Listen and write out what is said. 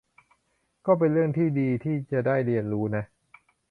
ก็เป็นเรื่องที่ดีที่จะได้เรียนรู้นะ